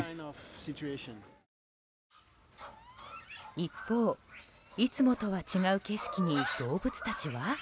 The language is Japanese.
一方、いつもとは違う景色に動物たちは？